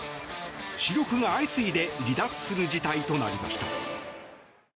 主力が相次いで離脱する事態となりました。